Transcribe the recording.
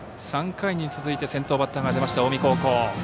３回に続いて先頭バッターが出ました近江高校。